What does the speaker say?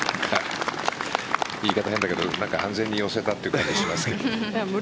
言い方変だけど安全に寄せたという感じですかね。